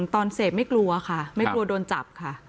ตอนเสพไม่กลัวค่ะไม่กลัวโดนจับค่ะ